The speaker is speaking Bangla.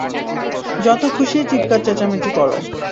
যত খুশি চিৎকার চেঁচামেচি কর।